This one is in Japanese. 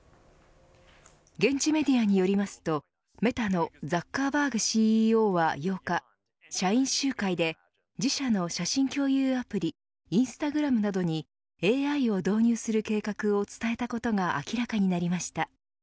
現地メディアによりますとメタのザッカーバーグＣＥＯは８日社員集会で自社の写真共有アプリインスタグラムなどにＡＩを導入する計画を伝えたことが明らかになりました。